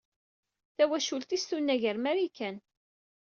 Tawacult-is tunag ɣer Marikan.